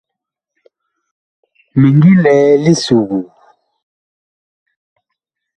Mi ngi lɛ li suguu.